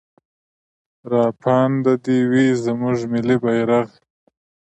راپانده دې وي زموږ ملي بيرغ.